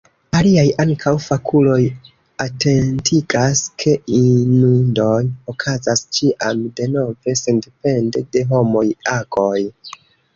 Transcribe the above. Aliaj, ankaŭ fakuloj, atentigas ke inundoj okazas ĉiam denove, sendepende de homaj agoj.